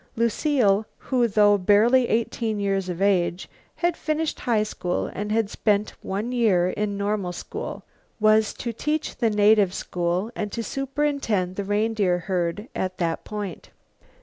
Lucile, who, though barely eighteen years of age, had finished high school and had spent one year in normal school, was to teach the native school and to superintend the reindeer herd at that point.